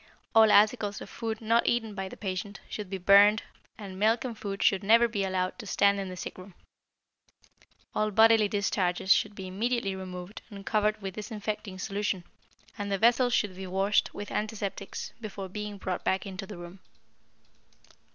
All articles of food not eaten by the patient should be burned, and milk and food should never be allowed to stand in the sick room. All bodily discharges should be immediately removed and covered with disinfecting solution, and the vessels should be washed with antiseptics before being brought back into the room.